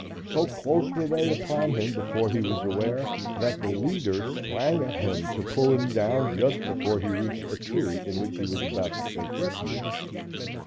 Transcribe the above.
So close were they upon him before he was aware, that the leader sprang at him to pull him down just before he reached a tree in which he was about to take refuge.